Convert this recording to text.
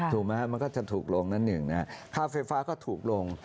ถูกไหมมันก็จะถูกลงนั้นหนึ่งข้าวไฟฟ้าก็ถูกลง